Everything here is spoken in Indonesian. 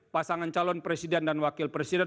pasangan calon presiden dan wakil presiden